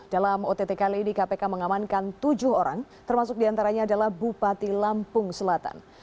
dalam ott kali ini kpk mengamankan tujuh orang termasuk diantaranya adalah bupati lampung selatan